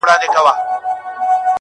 زه دي سر تر نوکه ستا بلا ګردان سم؛